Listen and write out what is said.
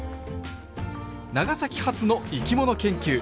長崎発の生き物研究